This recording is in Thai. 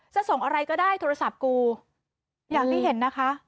ส่งอะไรก็ได้โทรศัพท์กูอย่างที่เห็นนะคะ